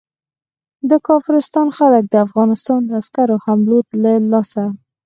د کافرستان خلک د افغانستان د عسکرو حملو له لاسه.